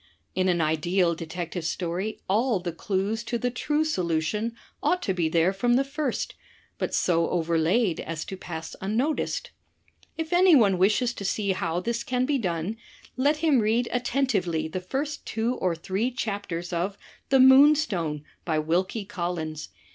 In an ideal detective story all the clues to the true solution ought to be there from the first, but so overlaid as to pass unnoticed. If anyone wishes to see how this can be done, let him read attentively the first two or three chapters of *The Moonstone,' by Wilkie Collins.